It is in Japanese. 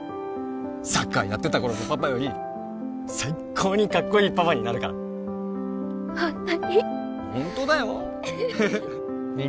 サッカーやってた頃のパパより最高にかっこいいパパになるからホントに？